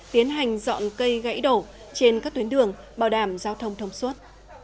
tiến hành dọn cây gãy đổ trên các tuyến đường bảo đảm giao thông thông suốt